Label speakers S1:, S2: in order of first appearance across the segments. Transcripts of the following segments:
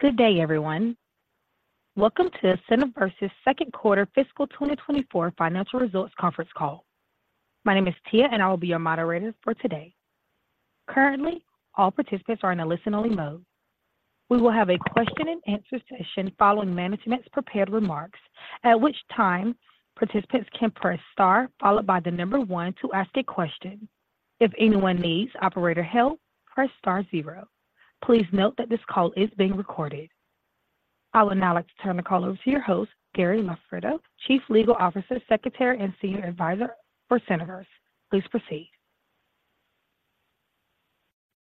S1: Good day, everyone. Welcome to Cineverse's second quarter fiscal 2024 financial results conference call. My name is Tia, and I will be your moderator for today. Currently, all participants are in a listen-only mode. We will have a question and answer session following management's prepared remarks, at which time participants can press star followed by the number one to ask a question. If anyone needs operator help, press star zero. Please note that this call is being recorded. I would now like to turn the call over to your host, Gary Loffredo, Chief Legal Officer, Secretary, and Senior Advisor for Cineverse. Please proceed.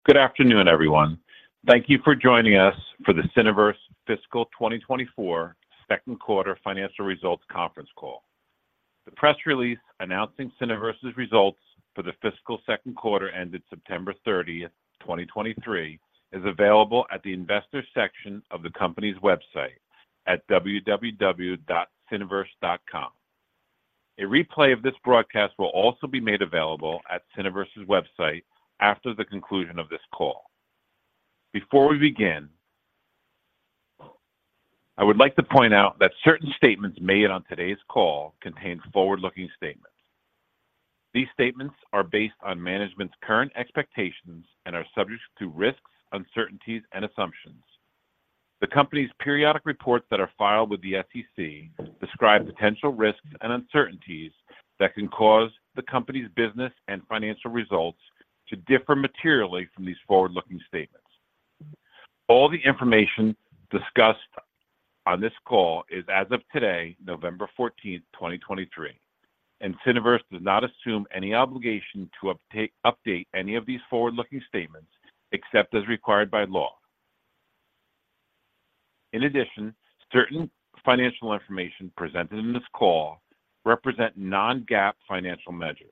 S2: Good afternoon, everyone. Thank you for joining us for the Cineverse fiscal 2024 second quarter financial results conference call. The press release announcing Cineverse's results for the fiscal second quarter ended September 30th, 2023, is available at the investor section of the company's website at www.cineverse.com. A replay of this broadcast will also be made available at Cineverse's website after the conclusion of this call. Before we begin, I would like to point out that certain statements made on today's call contain forward-looking statements. These statements are based on management's current expectations and are subject to risks, uncertainties, and assumptions. The company's periodic reports that are filed with the SEC describe potential risks and uncertainties that can cause the company's business and financial results to differ materially from these forward-looking statements. All the information discussed on this call is as of today, November 14th, 2023, and Cineverse does not assume any obligation to update any of these forward-looking statements except as required by law. In addition, certain financial information presented in this call represent non-GAAP financial measures,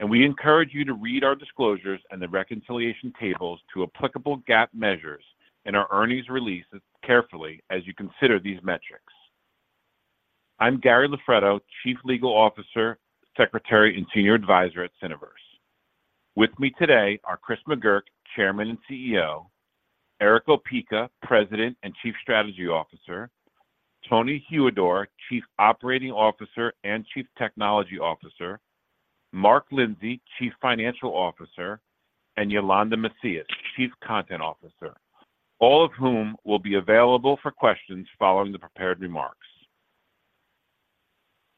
S2: and we encourage you to read our disclosures and the reconciliation tables to applicable GAAP measures in our earnings release as carefully as you consider these metrics. I'm Gary Loffredo, Chief Legal Officer, Secretary, and Senior Advisor at Cineverse. With me today are Chris McGurk, Chairman and CEO, Erick Opeka, President and Chief Strategy Officer, Tony Huidor, Chief Operating Officer and Chief Technology Officer, Mark Lindsey, Chief Financial Officer, and Yolanda Macias, Chief Content Officer, all of whom will be available for questions following the prepared remarks.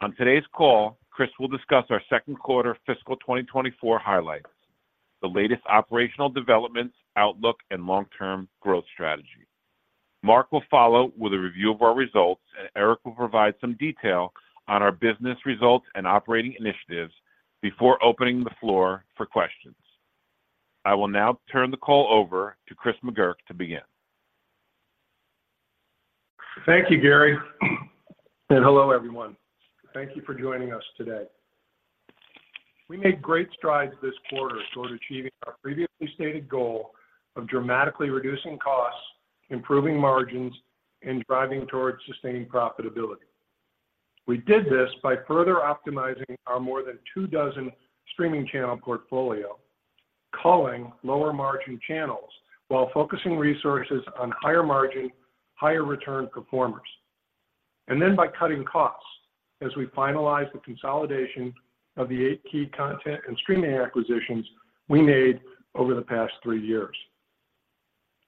S2: On today's call, Chris will discuss our second quarter fiscal 2024 highlights, the latest operational developments, outlook, and long-term growth strategy. Mark will follow with a review of our results, and Erick will provide some detail on our business results and operating initiatives before opening the floor for questions. I will now turn the call over to Chris McGurk to begin.
S3: Thank you, Gary, and hello, everyone. Thank you for joining us today. We made great strides this quarter toward achieving our previously stated goal of dramatically reducing costs, improving margins, and driving towards sustaining profitability. We did this by further optimizing our more than two dozen streaming channel portfolio, culling lower-margin channels while focusing resources on higher-margin, higher-return performers, and then by cutting costs as we finalize the consolidation of the eight key content and streaming acquisitions we made over the past three years.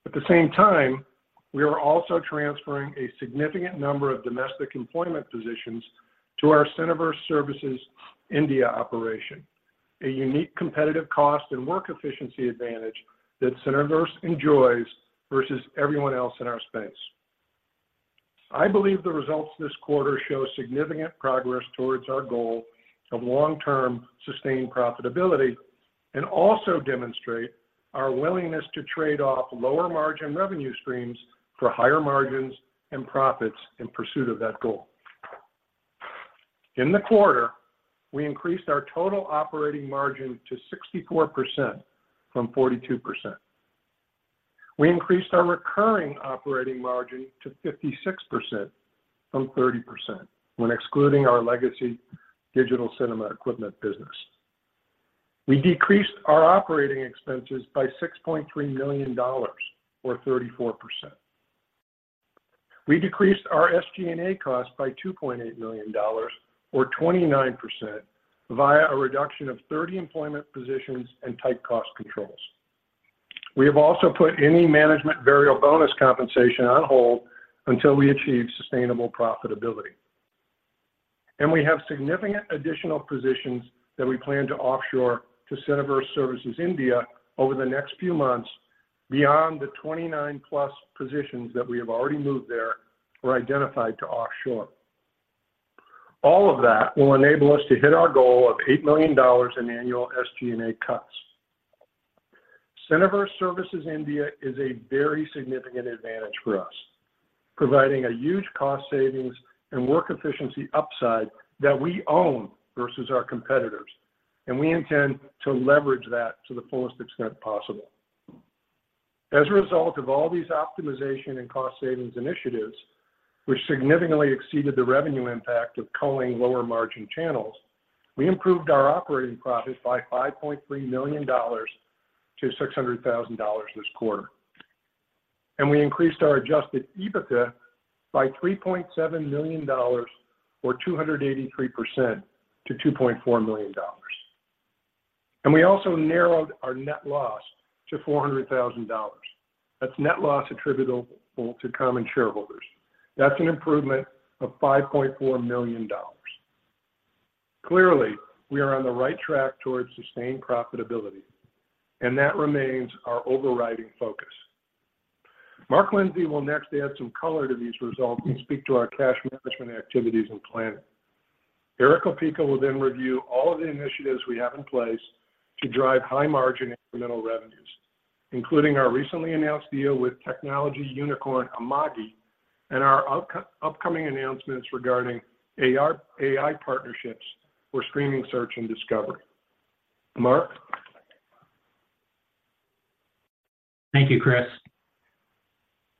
S3: At the same time, we are also transferring a significant number of domestic employment positions to our Cineverse Services India operation, a unique competitive cost and work efficiency advantage that Cineverse enjoys versus everyone else in our space. I believe the results this quarter show significant progress towards our goal of long-term, sustained profitability and also demonstrate our willingness to trade off lower-margin revenue streams for higher margins and profits in pursuit of that goal. In the quarter, we increased our total operating margin to 64% from 42%. We increased our recurring operating margin to 56% from 30% when excluding our legacy digital cinema equipment business. We decreased our operating expenses by $6.3 million or 34%. We decreased our SG&A costs by $2.8 million, or 29%, via a reduction of 30 employment positions and tight cost controls. We have also put any management variable bonus compensation on hold until we achieve sustainable profitability. We have significant additional positions that we plan to offshore to Cineverse Services India over the next few months, beyond the 29+ positions that we have already moved there or identified to offshore. All of that will enable us to hit our goal of $8 million in annual SG&A cuts. Cineverse Services India is a very significant advantage for us, providing a huge cost savings and work efficiency upside that we own versus our competitors, and we intend to leverage that to the fullest extent possible. As a result of all these optimization and cost savings initiatives, which significantly exceeded the revenue impact of culling lower-margin channels, we improved our operating profit by $5.3 million to $600,000 this quarter. And we increased our adjusted EBITDA by $3.7 million, or 283% to $2.4 million. And we also narrowed our net loss to $400,000. That's net loss attributable to common shareholders. That's an improvement of $5.4 million. Clearly, we are on the right track towards sustained profitability, and that remains our overriding focus. Mark Lindsey will next add some color to these results and speak to our cash management activities and planning. Erick Opeka will then review all of the initiatives we have in place to drive high-margin incremental revenues, including our recently announced deal with technology unicorn, Amagi, and our upcoming announcements regarding AI partnerships for streaming, search, and discovery. Mark?
S4: Thank you, Chris.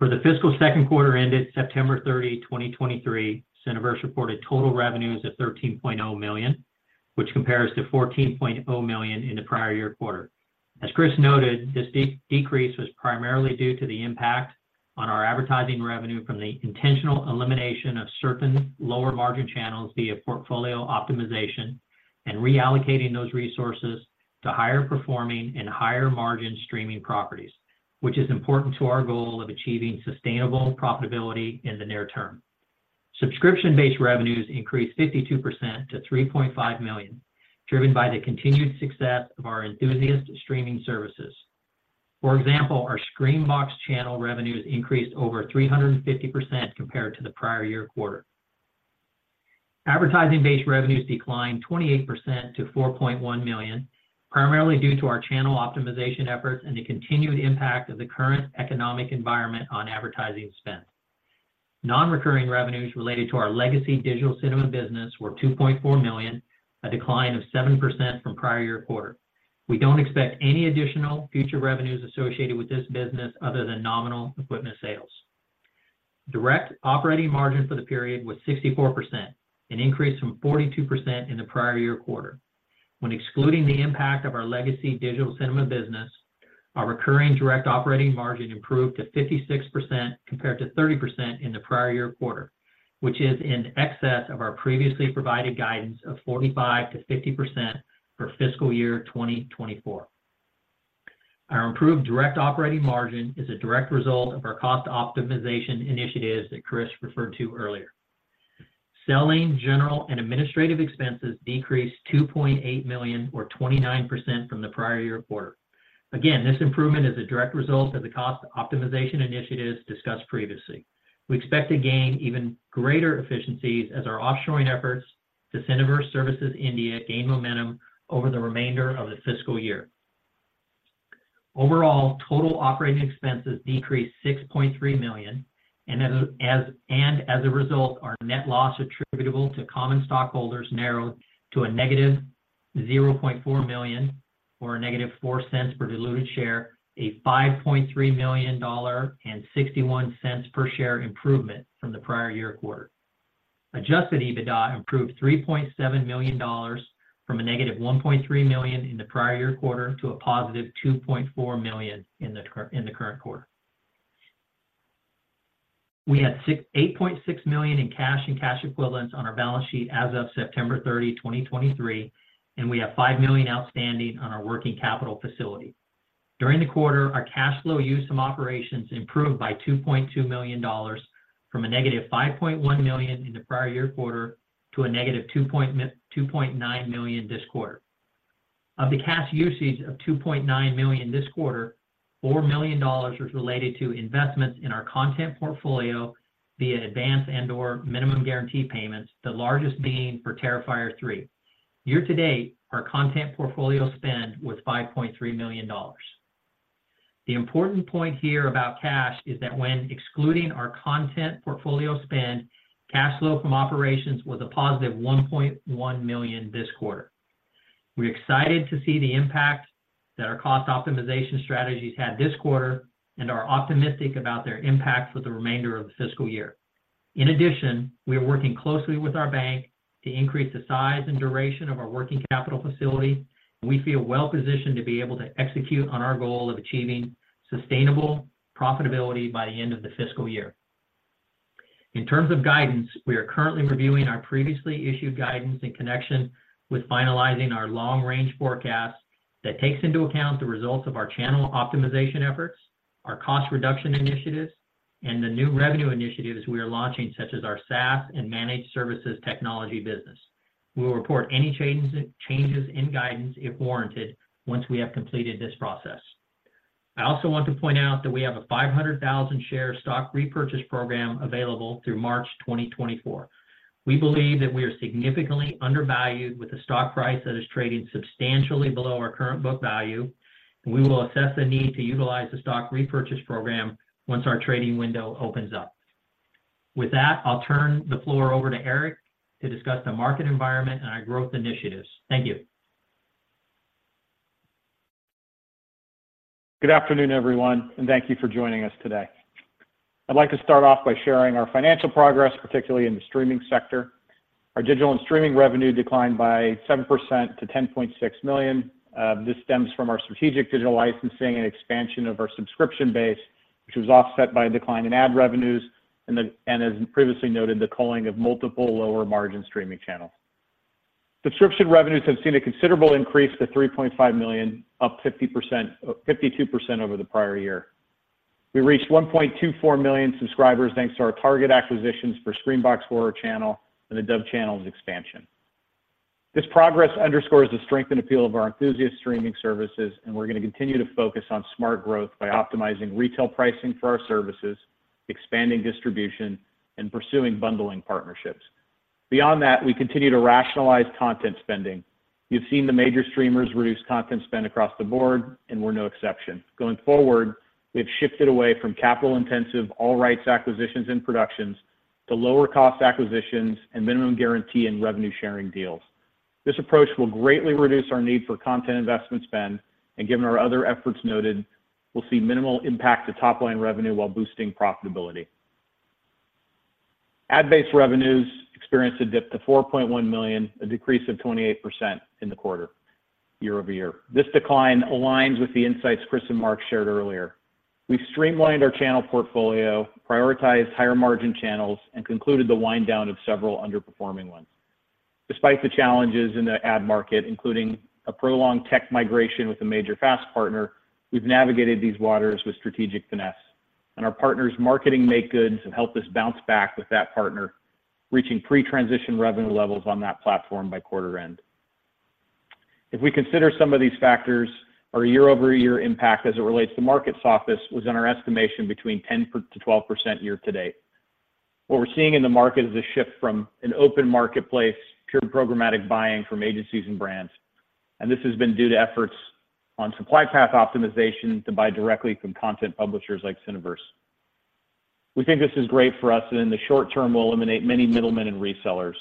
S4: For the fiscal second quarter ended September 30, 2023, Cineverse reported total revenues of $13.0 million, which compares to $14.0 million in the prior year quarter. As Chris noted, this decrease was primarily due to the impact on our advertising revenue from the intentional elimination of certain lower-margin channels via portfolio optimization and reallocating those resources to higher-performing and higher-margin streaming properties, which is important to our goal of achieving sustainable profitability in the near term. Subscription-based revenues increased 52% to $3.5 million, driven by the continued success of our enthusiast streaming services. For example, our Screambox channel revenues increased over 350% compared to the prior year quarter. Advertising-based revenues declined 28% to $4.1 million, primarily due to our channel optimization efforts and the continued impact of the current economic environment on advertising spend. Non-recurring revenues related to our legacy digital cinema business were $2.4 million, a decline of 7% from prior year quarter. We don't expect any additional future revenues associated with this business other than nominal equipment sales. Direct operating margin for the period was 64%, an increase from 42% in the prior year quarter. When excluding the impact of our legacy digital cinema business, our recurring direct operating margin improved to 56%, compared to 30% in the prior year quarter, which is in excess of our previously provided guidance of 45%-50% for fiscal year 2024. Our improved direct operating margin is a direct result of our cost optimization initiatives that Chris referred to earlier. Selling, general, and administrative expenses decreased $2.8 million or 29% from the prior year quarter. Again, this improvement is a direct result of the cost optimization initiatives discussed previously. We expect to gain even greater efficiencies as our offshoring efforts to Cineverse Services India gain momentum over the remainder of the fiscal year. Overall, total operating expenses decreased $6.3 million, and as a result, our net loss attributable to common stockholders narrowed to a negative $0.4 million or a negative $0.04 per diluted share, a $5.3 million and $0.61 per share improvement from the prior year quarter. Adjusted EBITDA improved $3.7 million from a negative $1.3 million in the prior year quarter to a positive $2.4 million in the current quarter. We had $8.6 million in cash and cash equivalents on our balance sheet as of September 30, 2023, and we have $5 million outstanding on our working capital facility. During the quarter, our cash flow use from operations improved by $2.2 million from a negative $5.1 million in the prior year quarter to a negative $2.9 million this quarter. Of the cash usage of $2.9 million this quarter, $4 million was related to investments in our content portfolio via advance and/or minimum guarantee payments, the largest being for Terrifier 3. Year to date, our content portfolio spend was $5.3 million. The important point here about cash is that when excluding our content portfolio spend, cash flow from operations was a positive $1.1 million this quarter. We're excited to see the impact that our cost optimization strategies had this quarter and are optimistic about their impact for the remainder of the fiscal year. In addition, we are working closely with our bank to increase the size and duration of our working capital facility, and we feel well positioned to be able to execute on our goal of achieving sustainable profitability by the end of the fiscal year. In terms of guidance, we are currently reviewing our previously issued guidance in connection with finalizing our long-range forecast that takes into account the results of our channel optimization efforts, our cost reduction initiatives, and the new revenue initiatives we are launching, such as our SaaS and managed services technology business. We will report any changes, changes in guidance, if warranted, once we have completed this process. I also want to point out that we have a 500,000 share stock repurchase program available through March 2024. We believe that we are significantly undervalued with a stock price that is trading substantially below our current book value, and we will assess the need to utilize the stock repurchase program once our trading window opens up. With that, I'll turn the floor over to Erick to discuss the market environment and our growth initiatives. Thank you.
S5: Good afternoon, everyone, and thank you for joining us today. I'd like to start off by sharing our financial progress, particularly in the streaming sector. Our digital and streaming revenue declined by 7% to $10.6 million. This stems from our strategic digital licensing and expansion of our subscription base, which was offset by a decline in ad revenues, and as previously noted, the culling of multiple lower margin streaming channels. Subscription revenues have seen a considerable increase to $3.5 million, up 50%-- 52% over the prior year. We reached 1.24 million subscribers, thanks to our target acquisitions for Screambox Horror Channel and the Dove Channel's expansion. This progress underscores the strength and appeal of our enthusiast streaming services, and we're going to continue to focus on smart growth by optimizing retail pricing for our services, expanding distribution, and pursuing bundling partnerships. Beyond that, we continue to rationalize content spending. You've seen the major streamers reduce content spend across the board, and we're no exception. Going forward, we've shifted away from capital-intensive all rights acquisitions and productions to lower cost acquisitions and minimum guarantee and revenue sharing deals. This approach will greatly reduce our need for content investment spend, and given our other efforts noted, we'll see minimal impact to top-line revenue while boosting profitability. Ad-based revenues experienced a dip to $4.1 million, a decrease of 28% in the quarter year-over-year. This decline aligns with the insights Chris and Mark shared earlier. We've streamlined our channel portfolio, prioritized higher margin channels, and concluded the wind down of several underperforming ones. Despite the challenges in the ad market, including a prolonged tech migration with a major FAST partner, we've navigated these waters with strategic finesse, and our partners' marketing make goods have helped us bounce back with that partner, reaching pre-transition revenue levels on that platform by quarter end. If we consider some of these factors, our year-over-year impact as it relates to market softness was in our estimation, between 10%-12% year to date. What we're seeing in the market is a shift from an open marketplace, pure programmatic buying from agencies and brands, and this has been due to efforts on supply path optimization to buy directly from content publishers like Cineverse. We think this is great for us, and in the short term, will eliminate many middlemen and resellers.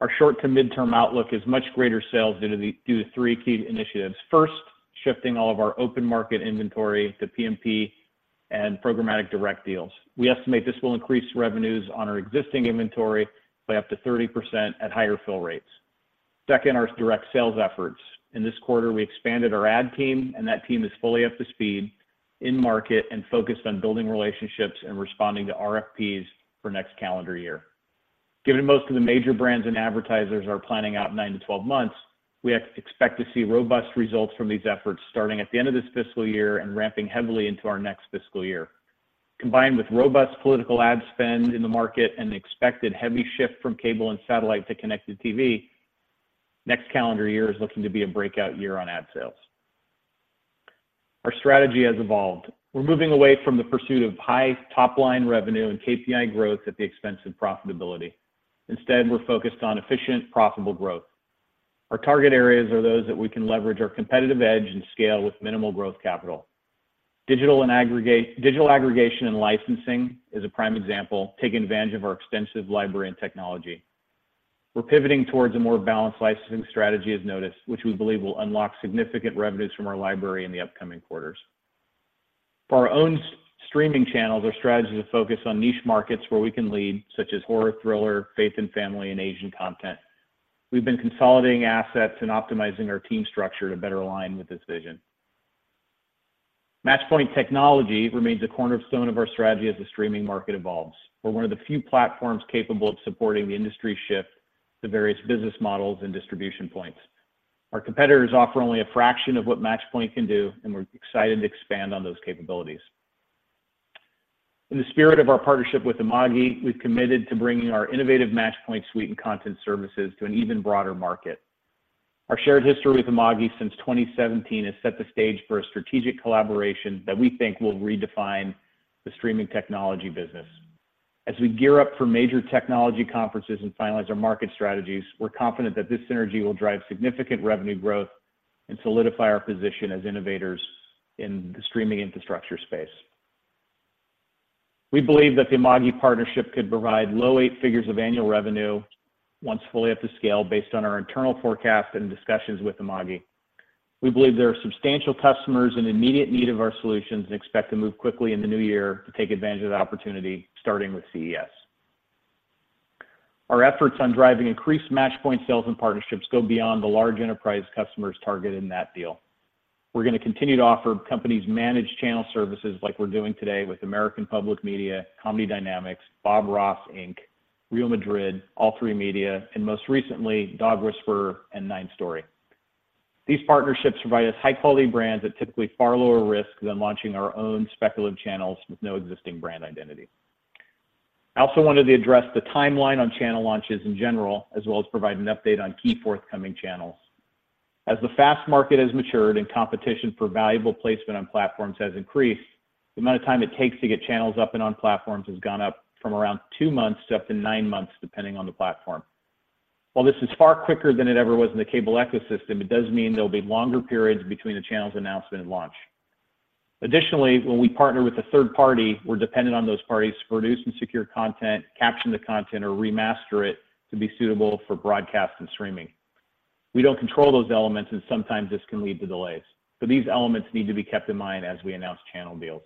S5: Our short to midterm outlook is much greater sales due to three key initiatives. First, shifting all of our open market inventory to PMP and programmatic direct deals. We estimate this will increase revenues on our existing inventory by up to 30% at higher fill rates. Second, our direct sales efforts. In this quarter, we expanded our ad team, and that team is fully up to speed in market and focused on building relationships and responding to RFPs for next calendar year. Given most of the major brands and advertisers are planning out nine to 12 months, we expect to see robust results from these efforts starting at the end of this fiscal year and ramping heavily into our next fiscal year. Combined with robust political ad spend in the market and the expected heavy shift from cable and satellite to Connected TV, next calendar year is looking to be a breakout year on ad sales. Our strategy has evolved. We're moving away from the pursuit of high top-line revenue and KPI growth at the expense of profitability. Instead, we're focused on efficient, profitable growth. Our target areas are those that we can leverage our competitive edge and scale with minimal growth capital. Digital and aggregate, digital aggregation and licensing is a prime example, taking advantage of our extensive library and technology. We're pivoting towards a more balanced licensing strategy as noticed, which we believe will unlock significant revenues from our library in the upcoming quarters. For our own streaming channels, our strategy is to focus on niche markets where we can lead, such as horror, thriller, faith and family, and Asian content. We've been consolidating assets and optimizing our team structure to better align with this vision. MatchPoint Technology remains a cornerstone of our strategy as the streaming market evolves. We're one of the few platforms capable of supporting the industry shift to various business models and distribution points. Our competitors offer only a fraction of what MatchPoint can do, and we're excited to expand on those capabilities. In the spirit of our partnership with Amagi, we've committed to bringing our innovative Matchpoint suite and content services to an even broader market. Our shared history with Amagi since 2017 has set the stage for a strategic collaboration that we think will redefine the streaming technology business. As we gear up for major technology conferences and finalize our market strategies, we're confident that this synergy will drive significant revenue growth and solidify our position as innovators in the streaming infrastructure space. We believe that the Amagi partnership could provide low-$8 figures of annual revenue once fully up to scale, based on our internal forecast and discussions with Amagi. We believe there are substantial customers in immediate need of our solutions and expect to move quickly in the new year to take advantage of the opportunity, starting with CES. Our efforts on driving increased MatchPoint sales and partnerships go beyond the large enterprise customers targeted in that deal. We're going to continue to offer companies managed channel services like we're doing today with American Public Media, Comedy Dynamics, Bob Ross Inc., Real Madrid, All3Media, and most recently, Dog Whisperer and 9 Story. These partnerships provide us high-quality brands at typically far lower risk than launching our own speculative channels with no existing brand identity. I also wanted to address the timeline on channel launches in general, as well as provide an update on key forthcoming channels. As the FAST market has matured and competition for valuable placement on platforms has increased, the amount of time it takes to get channels up and on platforms has gone up from around two months to up to nine months, depending on the platform. While this is far quicker than it ever was in the cable ecosystem, it does mean there'll be longer periods between the channel's announcement and launch. Additionally, when we partner with a third party, we're dependent on those parties to produce and secure content, caption the content or remaster it to be suitable for broadcast and streaming.... We don't control those elements, and sometimes this can lead to delays. So these elements need to be kept in mind as we announce channel deals.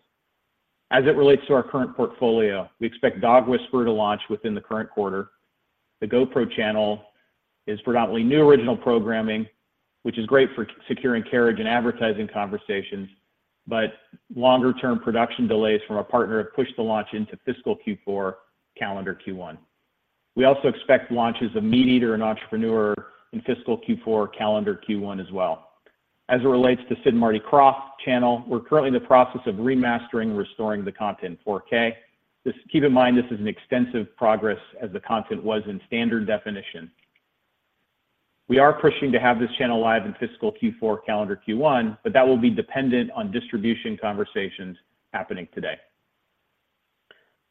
S5: As it relates to our current portfolio, we expect Dog Whisperer to launch within the current quarter. The GoPro channel is predominantly new original programming, which is great for securing carriage and advertising conversations, but longer-term production delays from our partner have pushed the launch into fiscal Q4, calendar Q1. We also expect launches of MeatEater and Entrepreneur in fiscal Q4, calendar Q1 as well. As it relates to Sid & Marty Krofft channel, we're currently in the process of remastering and restoring the content in 4K. Just keep in mind, this is an extensive progress as the content was in standard definition. We are pushing to have this channel live in fiscal Q4, calendar Q1, but that will be dependent on distribution conversations happening today.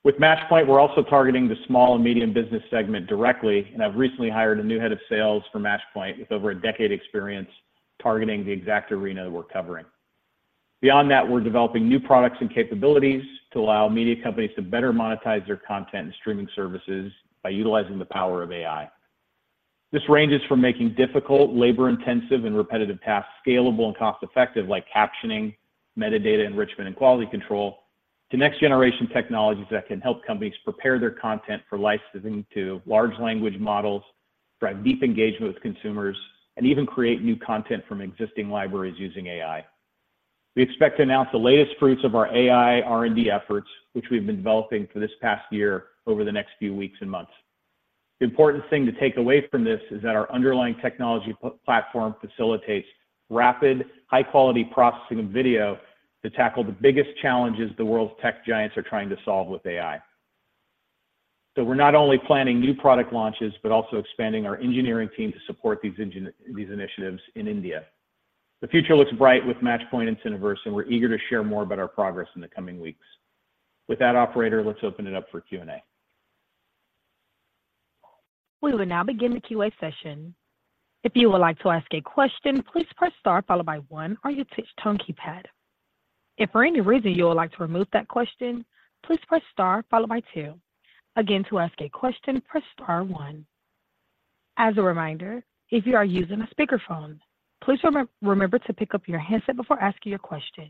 S5: With MatchPoint, we're also targeting the small and medium business segment directly, and I've recently hired a new head of sales for MatchPoint, with over a decade experience targeting the exact arena we're covering. Beyond that, we're developing new products and capabilities to allow media companies to better monetize their content and streaming services by utilizing the power of AI. This ranges from making difficult, labor-intensive, and repetitive tasks scalable and cost-effective, like captioning, metadata enrichment, and quality control, to next-generation technologies that can help companies prepare their content for licensing to large language models, drive deep engagement with consumers, and even create new content from existing libraries using AI. We expect to announce the latest fruits of our AI R&D efforts, which we've been developing for this past year, over the next few weeks and months. The important thing to take away from this is that our underlying technology platform facilitates rapid, high-quality processing of video to tackle the biggest challenges the world's tech giants are trying to solve with AI. So we're not only planning new product launches, but also expanding our engineering team to support these initiatives in India. The future looks bright with MatchPoint and Cineverse, and we're eager to share more about our progress in the coming weeks. With that, operator, let's open it up for Q&A.
S1: We will now begin the Q&A session. If you would like to ask a question, please press star followed by one on your touch tone keypad. If for any reason you would like to remove that question, please press star followed by two. Again, to ask a question, press star one. As a reminder, if you are using a speakerphone, please remember to pick up your handset before asking your question.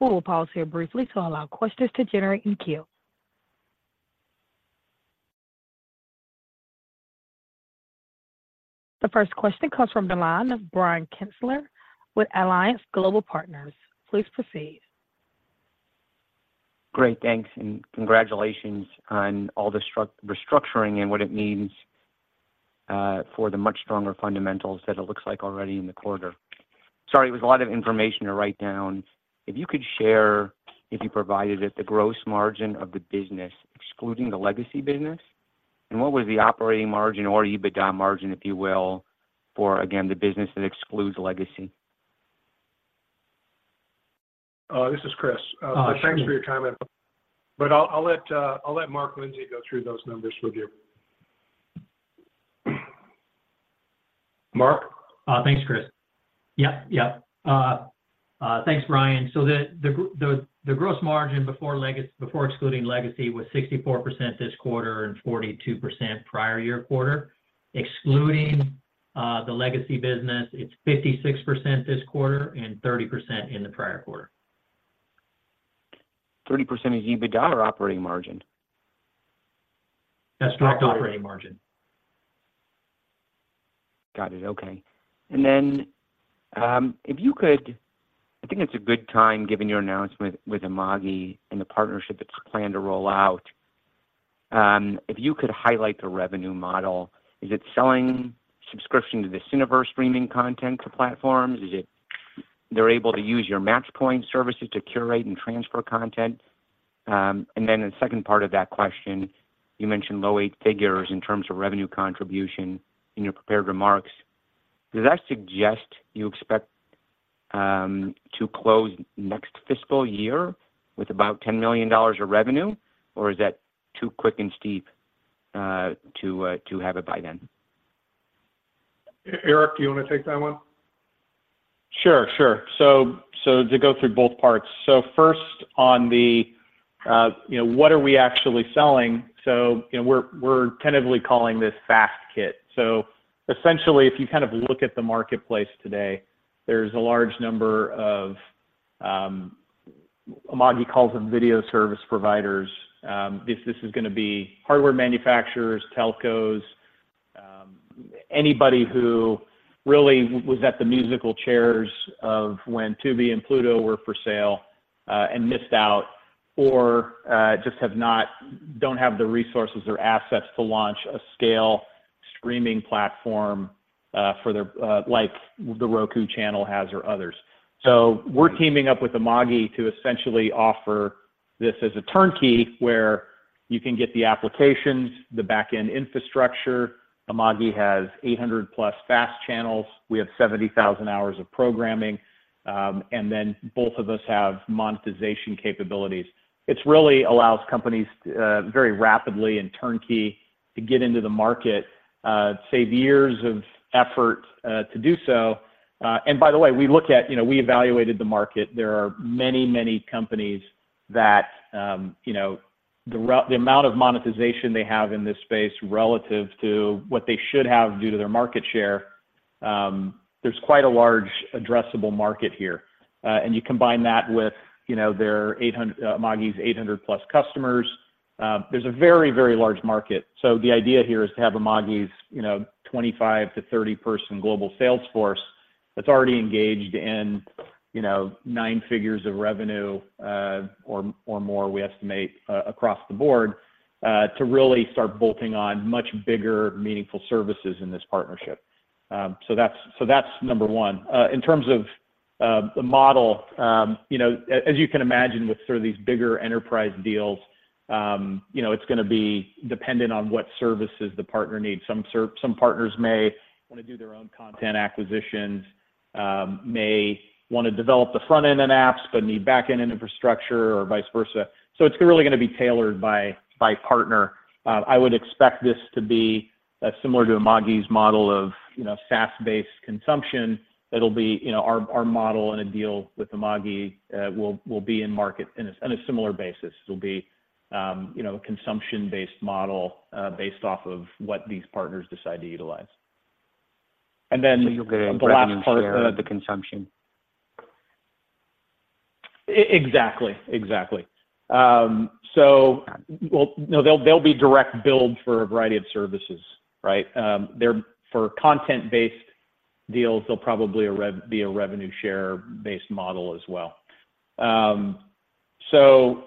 S1: We will pause here briefly to allow questions to generate in queue. The first question comes from the line of Brian Kinstlinger with Alliance Global Partners. Please proceed.
S6: Great, thanks, and congratulations on all the restructuring and what it means for the much stronger fundamentals that it looks like already in the quarter. Sorry, it was a lot of information to write down. If you could share, if you provided it, the gross margin of the business, excluding the Legacy business, and what was the operating margin or EBITDA margin, if you will, for, again, the business that excludes Legacy?
S3: This is Chris.
S6: Uh, sure.
S3: Thanks for your time, but I'll let Mark Lindsey go through those numbers with you. Mark?
S4: Thanks, Chris. Yep, yep. Thanks, Brian. So the gross margin before excluding Legacy was 64% this quarter and 42% prior-year quarter. Excluding the Legacy business, it's 56% this quarter and 30% in the prior quarter.
S6: 30% is EBITDA or operating margin?
S4: That's net operating margin.
S6: Got it. Okay. And then, if you could, I think it's a good time, given your announcement with Amagi and the partnership that's planned to roll out, if you could highlight the revenue model, is it selling subscription to the Cineverse streaming content to platforms? Is it they're able to use your MatchPoint services to curate and transfer content? And then the second part of that question, you mentioned low eight figures in terms of revenue contribution in your prepared remarks. Does that suggest you expect to close next fiscal year with about $10 million of revenue, or is that too quick and steep, to have it by then?
S3: Erick, do you want to take that one?
S5: Sure, sure. So to go through both parts. So first on the, you know, what are we actually selling? So, you know, we're tentatively calling this FAST Kit. So essentially, if you kind of look at the marketplace today, there's a large number of, Amagi calls them video service providers. This is gonna be hardware manufacturers, telcos, anybody who really was at the musical chairs of when Tubi and Pluto were for sale, and missed out or just don't have the resources or assets to launch a scale streaming platform, for their, like the Roku Channel has or others. So we're teaming up with Amagi to essentially offer this as a turnkey, where you can get the applications, the back-end infrastructure. Amagi has 800+ FAST channels. We have 70,000 hours of programming, and then both of us have monetization capabilities. It's really allows companies very rapidly and turnkey to get into the market, save years of effort, to do so. And by the way, we look at, you know, we evaluated the market. There are many, many companies that, you know, the amount of monetization they have in this space relative to what they should have due to their market share, there's quite a large addressable market here. And you combine that with, you know, Amagi's 800+ customers, there's a very, very large market. So the idea here is to have Amagi's, you know, 25-30-person global sales force that's already engaged in, you know, nine figures of revenue or more, we estimate, across the board, to really start bolting on much bigger, meaningful services in this partnership. So that's number one. In terms of the model, you know, as you can imagine, with sort of these bigger enterprise deals, you know, it's gonna be dependent on what services the partner needs. Some partners may wanna do their own content acquisitions, may wanna develop the front end in apps, but need backend and infrastructure or vice versa. So it's really gonna be tailored by partner. I would expect this to be similar to Amagi's model of, you know, SaaS-based consumption. It'll be, you know, our model in a deal with Amagi, will be in market in a similar basis. It'll be, you know, a consumption-based model, based off of what these partners decide to utilize. And then-
S6: So you're gonna revenue share the consumption?
S5: Exactly, exactly. So, no, they'll, they'll be direct billed for a variety of services, right? They're—for content-based deals, they'll probably be a revenue share-based model as well. So,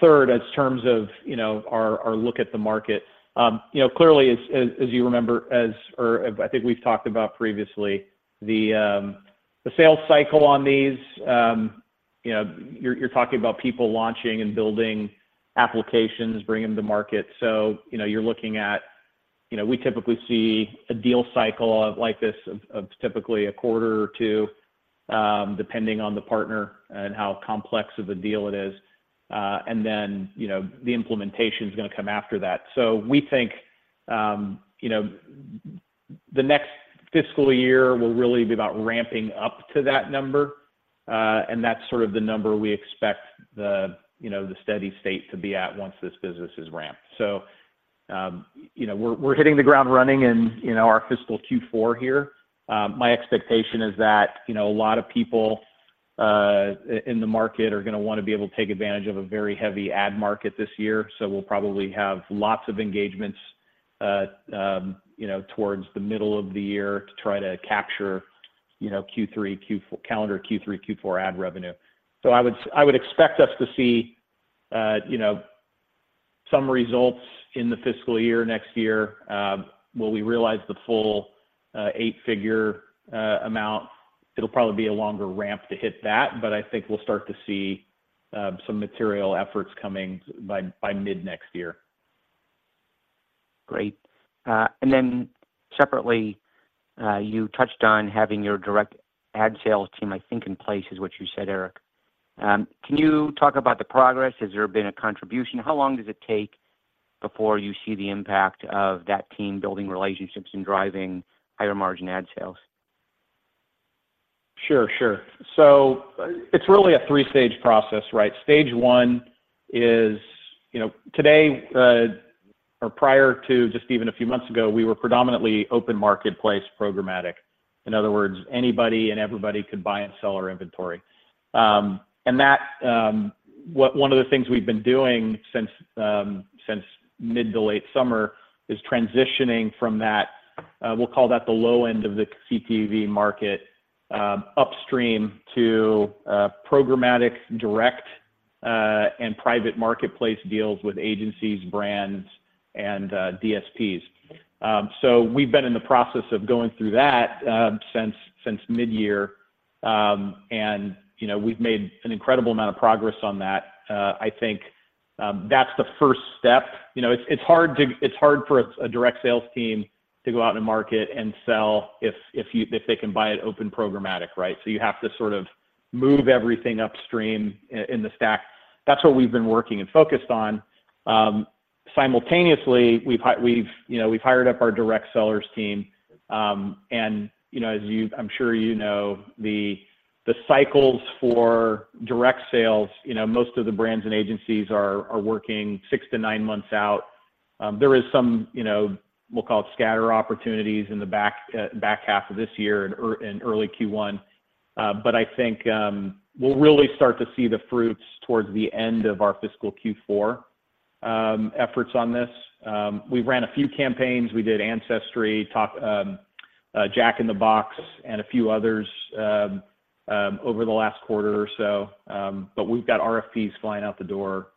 S5: third, in terms of, you know, our, our look at the market, you know, clearly, as you remember, or I think we've talked about previously, the sales cycle on these, you know, you're talking about people launching and building applications, bringing them to market. So, you know, you're looking at, you know, we typically see a deal cycle of typically a quarter or two, depending on the partner and how complex of a deal it is. And then, you know, the implementation is gonna come after that. So we think, you know, the next fiscal year will really be about ramping up to that number, and that's sort of the number we expect the, you know, the steady state to be at once this business is ramped. So, you know, we're, we're hitting the ground running in, you know, our fiscal Q4 here. My expectation is that, you know, a lot of people in the market are gonna wanna be able to take advantage of a very heavy ad market this year, so we'll probably have lots of engagements, you know, towards the middle of the year to try to capture, you know, Q3, Q4, calendar Q3, Q4 ad revenue. So I would, I would expect us to see, you know, some results in the fiscal year next year. Will we realize the full eight-figure amount? It'll probably be a longer ramp to hit that, but I think we'll start to see some material efforts coming by mid-next year.
S6: Great. And then separately, you touched on having your direct ad sales team, I think, in place, is what you said, Erick. Can you talk about the progress? Has there been a contribution? How long does it take before you see the impact of that team building relationships and driving higher-margin ad sales?
S5: Sure, sure. So it's really a three-stage process, right? Stage one is, you know, today, or prior to just even a few months ago, we were predominantly open marketplace programmatic. In other words, anybody and everybody could buy and sell our inventory. And that, one of the things we've been doing since, since mid to late summer is transitioning from that, we'll call that the low end of the CTV market, upstream to, programmatic direct, and private marketplace deals with agencies, brands, and, DSPs. So we've been in the process of going through that, since, since midyear, and, you know, we've made an incredible amount of progress on that. I think, that's the first step. You know, it's hard for a direct sales team to go out in the market and sell if they can buy it open programmatic, right? So you have to sort of move everything upstream in the stack. That's what we've been working and focused on. Simultaneously, we've hired up our direct sellers team. And, you know, as I'm sure you know, the cycles for direct sales, you know, most of the brands and agencies are working six to nine months out. There is some, you know, we'll call it scatter opportunities in the back half of this year and early Q1. But I think we'll really start to see the fruits towards the end of our fiscal Q4 efforts on this. We ran a few campaigns. We did Ancestry, Talk, Jack in the Box, and a few others, over the last quarter or so. But we've got RFPs flying out the door,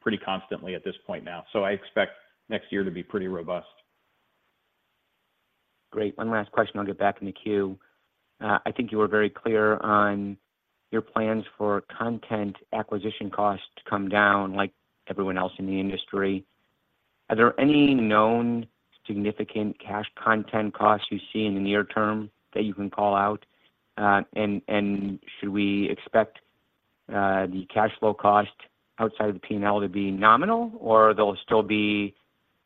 S5: pretty constantly at this point now, so I expect next year to be pretty robust.
S6: Great. One last question, I'll get back in the queue. I think you were very clear on your plans for content acquisition costs to come down like everyone else in the industry. Are there any known significant cash content costs you see in the near term that you can call out? And should we expect the cash flow cost outside of the P&L to be nominal, or there'll still be,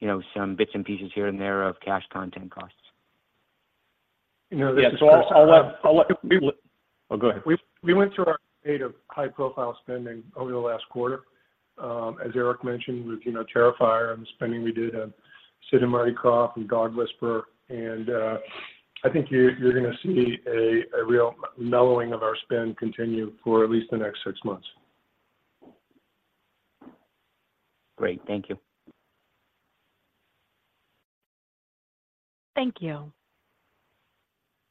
S6: you know, some bits and pieces here and there of cash content costs?...
S3: You know, so I'll let-- We-
S4: Oh, go ahead.
S3: We went through our slate of high-profile spending over the last quarter. As Erick mentioned, with, you know, Terrifier and the spending we did on Sid & Marty Krofft and Dog Whisperer. I think you're gonna see a real mellowing of our spend continue for at least the next six months.
S6: Great. Thank you.
S1: Thank you.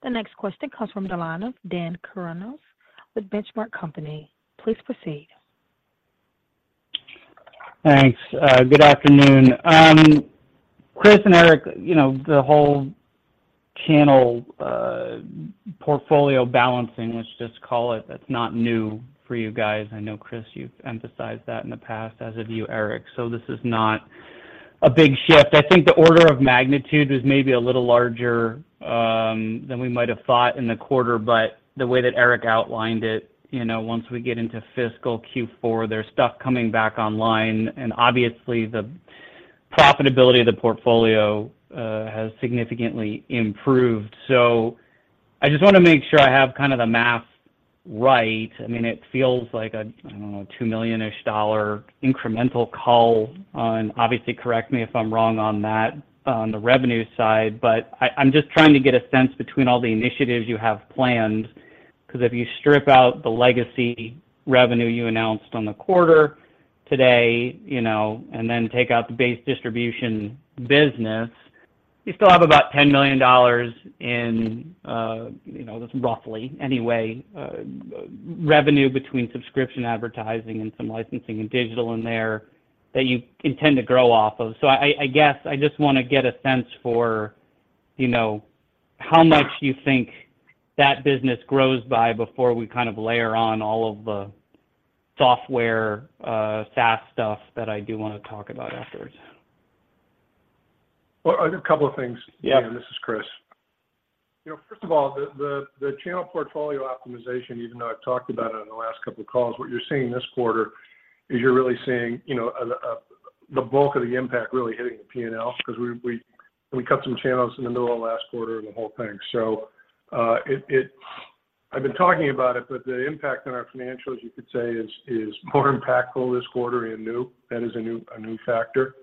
S1: The next question comes from the line of Dan Kurnos with Benchmark Company. Please proceed.
S7: Thanks. Good afternoon. Chris and Erick, you know, the whole channel portfolio balancing, let's just call it, that's not new for you guys. I know, Chris, you've emphasized that in the past, as have you, Erick, so this is not a big shift. I think the order of magnitude was maybe a little larger than we might have thought in the quarter, but the way that Erick outlined it, you know, once we get into fiscal Q4, there's stuff coming back online, and obviously, the profitability of the portfolio has significantly improved. So I just wanna make sure I have kind of the math right. I mean, it feels like a, I don't know, $2 million-ish dollar incremental call on—obviously, correct me if I'm wrong on that, on the revenue side, but I, I'm just trying to get a sense between all the initiatives you have planned, 'cause if you strip out the legacy revenue you announced on the quarter today, you know, and then take out the base distribution business, you still have about $10 million in, you know, just roughly anyway, revenue between subscription, advertising, and some licensing and digital in there that you intend to grow off of. So I, I, I guess I just wanna get a sense for, you know, how much you think that business grows by before we kind of layer on all of the software, SaaS stuff that I do wanna talk about afterwards.
S3: Well, a couple of things-
S7: Yeah.
S3: Dan, this is Chris. You know, first of all, the channel portfolio optimization, even though I've talked about it in the last couple of calls, what you're seeing this quarter is you're really seeing, you know, the bulk of the impact really hitting the P&L because we cut some channels in the middle of last quarter and the whole thing. So, it—I've been talking about it, but the impact on our financials, you could say, is more impactful this quarter and new, that is a new factor.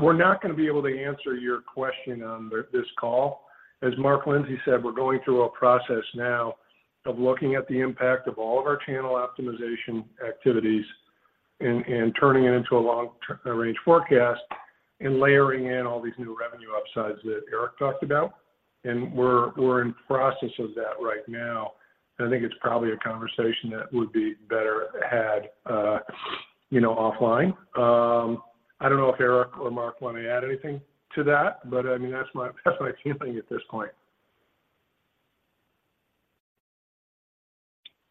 S3: We're not gonna be able to answer your question on this call. As Mark Lindsey said, we're going through a process now of looking at the impact of all of our channel optimization activities and turning it into a long-range forecast and layering in all these new revenue upsides that Erick talked about, and we're in process of that right now. I think it's probably a conversation that would be better had, you know, offline. I don't know if Erick or Mark want to add anything to that, but I mean, that's my feeling at this point.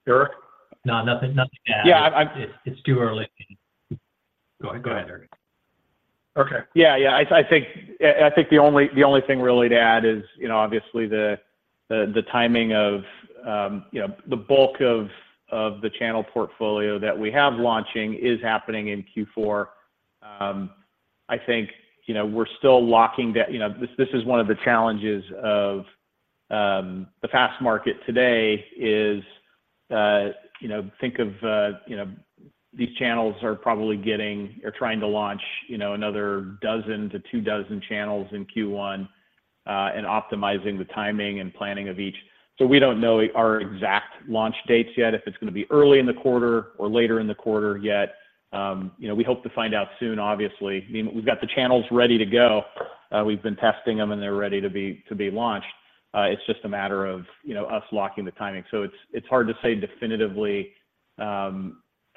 S3: Erick?
S4: No, nothing, nothing to add.
S5: Yeah,
S4: It's too early. Go ahead. Go ahead, Erick.
S7: Okay.
S5: Yeah, I think the only thing really to add is, you know, obviously the timing of, you know, the bulk of the channel portfolio that we have launching is happening in Q4. I think, you know, we're still locking down. You know, this is one of the challenges of the FAST market today is, you know, think of, you know, these channels are probably getting or trying to launch, you know, another 12-24 channels in Q1, and optimizing the timing and planning of each. So we don't know our exact launch dates yet, if it's gonna be early in the quarter or later in the quarter yet. You know, we hope to find out soon, obviously. I mean, we've got the channels ready to go. We've been testing them, and they're ready to be launched. It's just a matter of, you know, us locking the timing. So it's hard to say definitively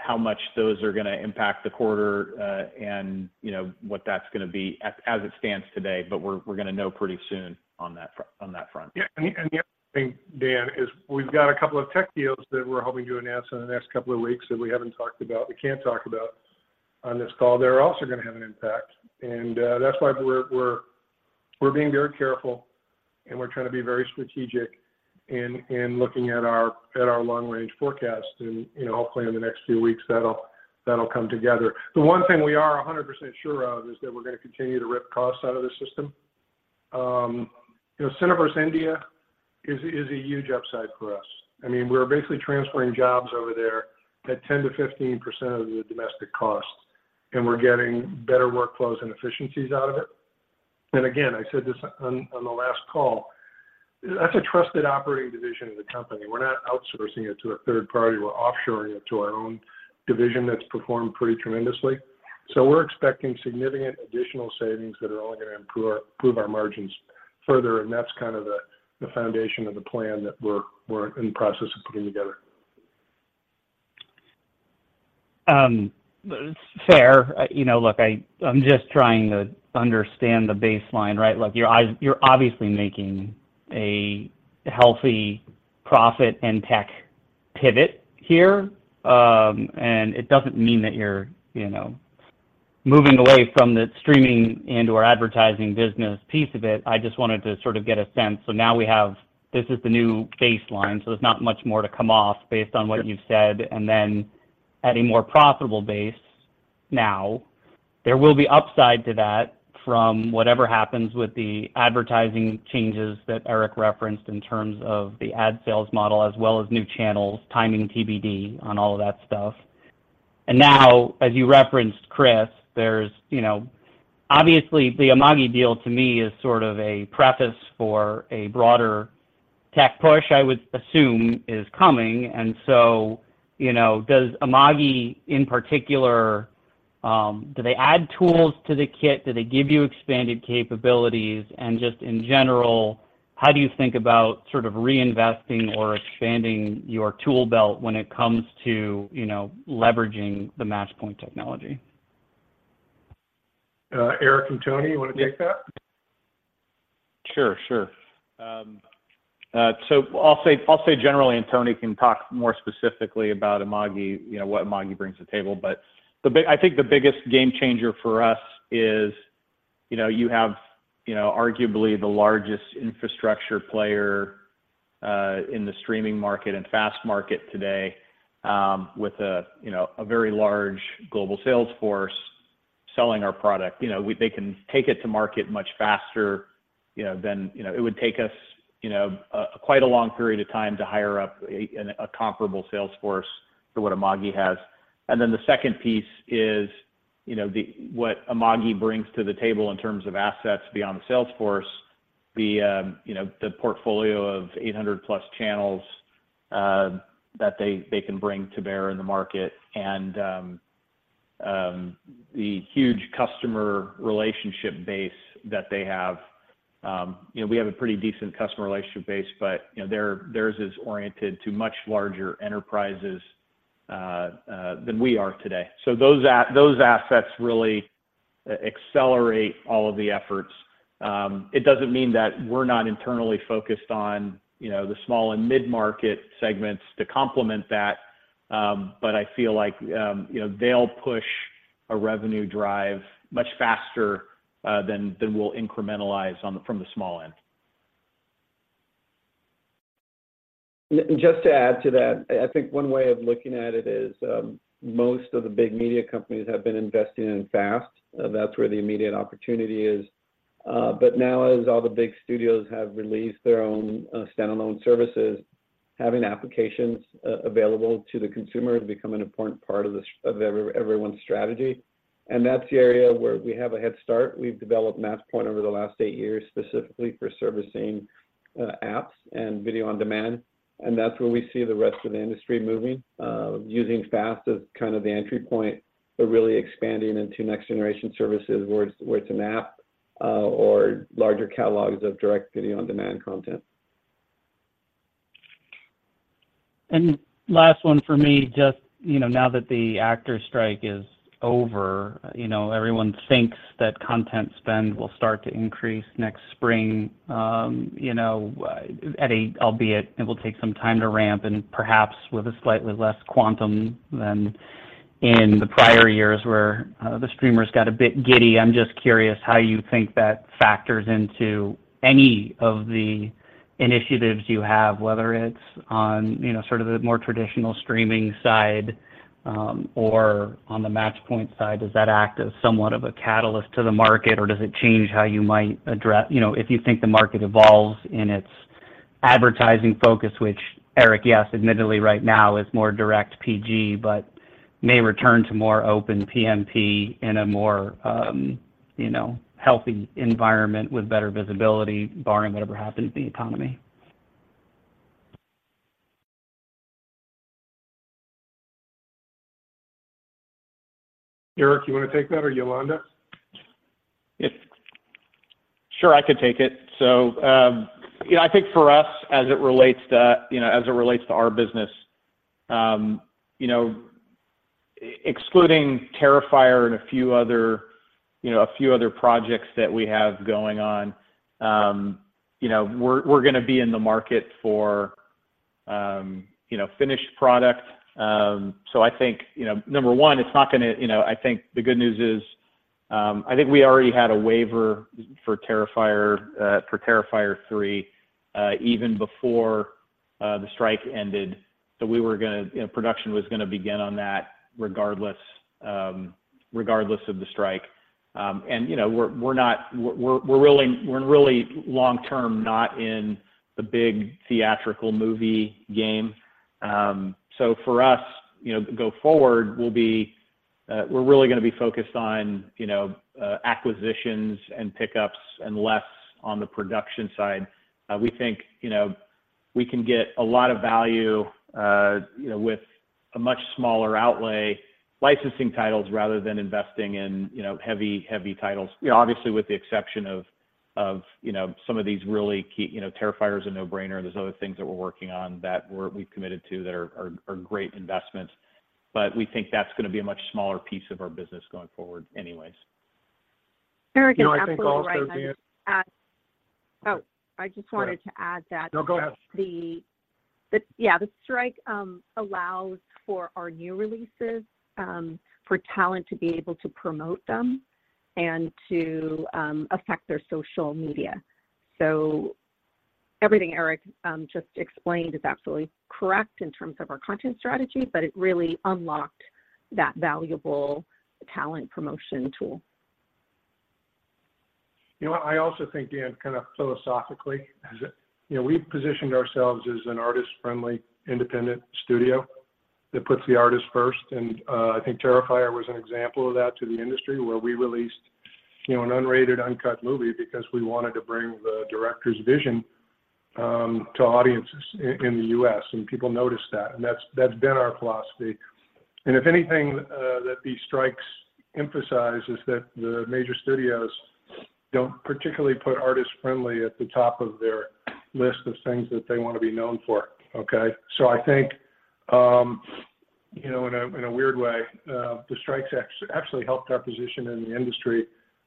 S5: how much those are gonna impact the quarter, and you know, what that's gonna be as it stands today, but we're gonna know pretty soon on that front.
S3: Yeah, and the other thing, Dan, is we've got a couple of tech deals that we're hoping to announce in the next couple of weeks that we haven't talked about, we can't talk about on this call. They're also gonna have an impact, and that's why we're being very careful, and we're trying to be very strategic in looking at our long-range forecast. You know, hopefully, in the next few weeks, that'll come together. The one thing we are 100% sure of is that we're gonna continue to rip costs out of the system. You know, Cineverse India is a huge upside for us. I mean, we're basically transferring jobs over there at 10%-15% of the domestic cost, and we're getting better workflows and efficiencies out of it. Again, I said this on the last call, that's a trusted operating division of the company. We're not outsourcing it to a third party. We're offshoring it to our own division that's performed pretty tremendously. So we're expecting significant additional savings that are only gonna improve our margins further, and that's kind of the foundation of the plan that we're in the process of putting together.
S7: Fair. You know, look, I'm just trying to understand the baseline, right? Look, you're obviously making a healthy profit and tech pivot here, and it doesn't mean that you're, you know, moving away from the streaming and/or advertising business piece of it. I just wanted to sort of get a sense. So now we have... This is the new baseline, so there's not much more to come off based on what you've said, and then at a more profitable base.... now, there will be upside to that from whatever happens with the advertising changes that Erick referenced in terms of the ad sales model, as well as new channels, timing TBD on all of that stuff. Now, as you referenced, Chris, there's, you know, obviously, the Amagi deal to me is sort of a preface for a broader tech push, I would assume is coming. So, you know, does Amagi, in particular, do they add tools to the kit? Do they give you expanded capabilities? And just in general, how do you think about sort of reinvesting or expanding your tool belt when it comes to, you know, leveraging the MatchPoint technology?
S3: Erick and Tony, you wanna take that?
S5: Sure, sure. So I'll say, I'll say generally, and Tony can talk more specifically about Amagi, you know, what Amagi brings to the table. But the big, I think the biggest game changer for us is, you know, you have, you know, arguably the largest infrastructure player in the streaming market and FAST market today, with a, you know, a very large global sales force selling our product. You know, they can take it to market much faster, you know, than, you know. It would take us, you know, a, quite a long period of time to hire up a, an, a comparable sales force to what Amagi has. And then the second piece is, you know, what Amagi brings to the table in terms of assets beyond the sales force, you know, the portfolio of 800+ channels that they can bring to bear in the market, and the huge customer relationship base that they have. You know, we have a pretty decent customer relationship base, but, you know, theirs is oriented to much larger enterprises than we are today. So those assets really accelerate all of the efforts. It doesn't mean that we're not internally focused on, you know, the small and mid-market segments to complement that, but I feel like, you know, they'll push a revenue drive much faster than we'll incrementalize from the small end.
S8: Just to add to that, I think one way of looking at it is, most of the big media companies have been investing in FAST. That's where the immediate opportunity is. But now, as all the big studios have released their own, standalone services, having applications available to the consumer has become an important part of everyone's strategy. And that's the area where we have a head start. We've developed Matchpoint over the last eight years, specifically for servicing, apps and video on demand, and that's where we see the rest of the industry moving. Using FAST as kind of the entry point, but really expanding into next generation services, where it's an app, or larger catalogs of direct video on-demand content.
S7: And last one for me, just, you know, now that the actors strike is over, you know, everyone thinks that content spend will start to increase next spring, albeit it will take some time to ramp and perhaps with a slightly less quantum than in the prior years, where the streamers got a bit giddy. I'm just curious how you think that factors into any of the initiatives you have, whether it's on, you know, sort of the more traditional streaming side, or on the Matchpoint side. Does that act as somewhat of a catalyst to the market, or does it change how you might address... You know, if you think the market evolves in its advertising focus, which, Eric, yes, admittedly, right now is more direct PG, but may return to more open PMP in a more, you know, healthy environment with better visibility, barring whatever happens in the economy.
S3: Erick, you wanna take that or Yolanda?
S5: Sure, I could take it. So, you know, I think for us, as it relates to, you know, as it relates to our business, you know, excluding Terrifier and a few other, you know, a few other projects that we have going on, you know, we're gonna be in the market for, you know, finished product. So I think, you know, number one, it's not gonna, you know. I think the good news is, I think we already had a waiver for Terrifier, for Terrifier 3, even before the strike ended. So we were gonna, you know, production was gonna begin on that regardless, regardless of the strike. And, you know, we're not really long term, not in the big theatrical movie game. So for us, you know, to go forward, we'll be, we're really gonna be focused on, you know, acquisitions and pickups and less on the production side. We think, you know, we can get a lot of value, you know, with a much smaller outlay, licensing titles, rather than investing in, you know, heavy, heavy titles. You know, obviously, with the exception of, you know, some of these really key, you know, Terrifier is a no-brainer. There's other things that we're working on that we've committed to that are great investments, but we think that's gonna be a much smaller piece of our business going forward anyways.
S3: You know, I think also-
S9: Eric, you're absolutely right. I just wanted to add that-
S3: No, go ahead.
S9: Yeah, the strike allows for our new releases for talent to be able to promote them and to affect their social media. So, everything Erick just explained is absolutely correct in terms of our content strategy, but it really unlocked that valuable talent promotion tool.
S3: You know what? I also think, Dan, kind of philosophically, is that, you know, we've positioned ourselves as an artist-friendly, independent studio that puts the artist first. And, I think Terrifier was an example of that to the industry, where we released, you know, an unrated, uncut movie because we wanted to bring the director's vision, to audiences i-in the U.S., and people noticed that, and that's, that's been our philosophy. And if anything, that these strikes emphasize is that the major studios don't particularly put artist-friendly at the top of their list of things that they wanna be known for, okay? So I think, you know, in a weird way, the strikes act actually helped our position in the industry,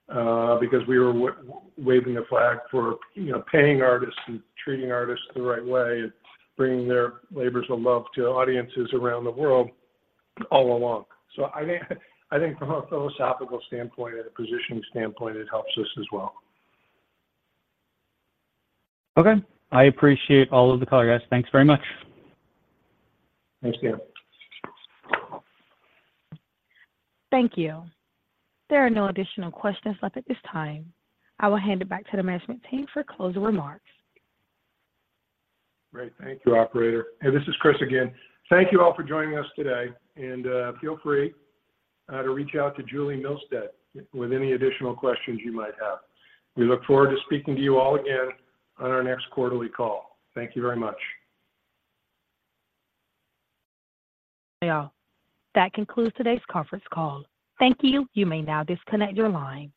S3: because we were waving a flag for, you know, paying artists and treating artists the right way and bringing their labors of love to audiences around the world all along. So I think, I think from a philosophical standpoint and a positioning standpoint, it helps us as well.
S7: Okay. I appreciate all of the color, guys. Thanks very much.
S3: Thanks, Dan.
S1: Thank you. There are no additional questions left at this time. I will hand it back to the management team for closing remarks.
S3: Great. Thank you, operator. Hey, this is Chris again. Thank you all for joining us today, and, feel free, to reach out to Julie Milstead with any additional questions you might have. We look forward to speaking to you all again on our next quarterly call. Thank you very much.
S1: Yeah. That concludes today's conference call. Thank you. You may now disconnect your line.